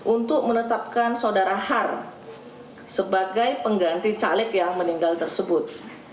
untuk menetapkan saudara har sebagai pengganti caleg yang meninggal tersebut